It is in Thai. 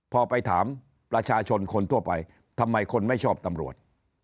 พอไปถามประชาชนคนทั่วไปทำไมคนไม่ชอบตำรวจ